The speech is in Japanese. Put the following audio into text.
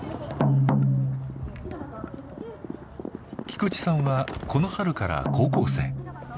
菊池さんはこの春から高校生。